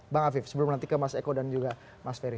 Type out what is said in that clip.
bang afif sebelum nanti ke mas eko dan juga mas ferry